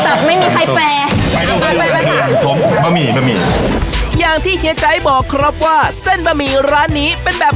แต่ไม่มีใครแฟร์บะหมี่บะหมี่อย่างที่เฮียใจบอกครับว่าเส้นบะหมี่ร้านนี้เป็นแบบ